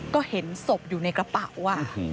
ก็เห็นศพอยู่ในกระเป๋า